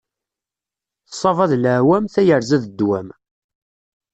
Ṣṣaba d leɛwam, tayerza d ddwam.